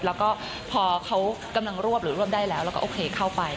แล้วก็พอเขากำลังรวบหรือรวบได้แล้วแล้วก็โอเคเข้าไป